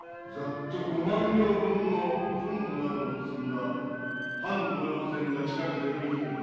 五万両分の昆布などを積んだ藩御用船が近く江戸に着く。